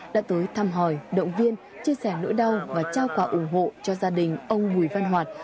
đã tới thăm hỏi động viên chia sẻ nỗi đau và trao quà ủng hộ cho gia đình ông bùi văn hoạt